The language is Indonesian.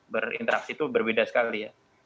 berinteraksi itu berbeda sekali